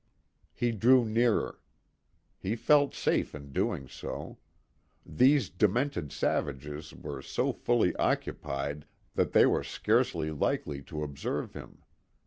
He drew nearer. He felt safe in doing so. These demented savages were so fully occupied that they were scarcely likely to observe him.